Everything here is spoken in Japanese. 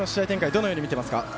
どのように見ていますか。